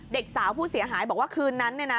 เด็กสาวผู้เสียหายบอกว่าคืนนั้น